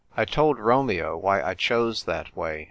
I told Romeo why I chose that way.